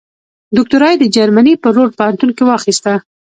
دوکتورا یې د جرمني په رور پوهنتون کې واخیسته.